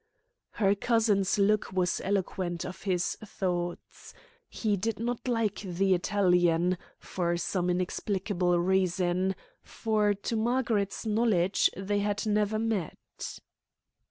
Her cousin's look was eloquent of his thoughts. He did not like the Italian, for some inexplicable reason, for to Margaret's knowledge they had never met.